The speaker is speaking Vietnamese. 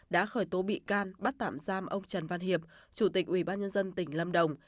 đã khởi tố bị can bắt tạm giam ông trần văn hiệp chủ tịch ubnd tỉnh lâm đồng